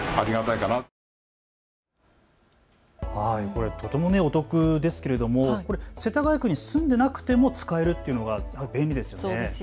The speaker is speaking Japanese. これ、とてもお得ですけれどもこれ、世田谷区に住んでなくても使えるというのは便利ですよね。